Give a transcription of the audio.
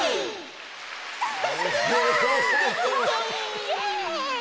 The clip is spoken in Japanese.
イエイ！